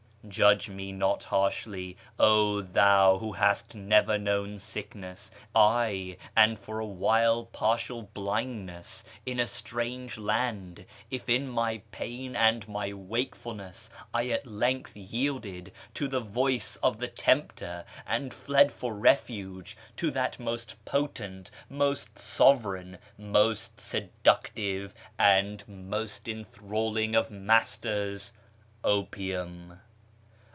Judge me not harshly, 0 thou who hast never known sickness — ay, and for a while partial blindness — in a strange land, if in my pain and my wakefulness I at length yielded to the voice of the tempter, and fled for refuge to that most potent, most sovereign, most seductive, and most ■ enthralling of masters, opium.